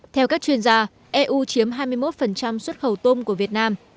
theo các chuyên gia eu chiếm hai mươi một xuất khẩu tôm của việt nam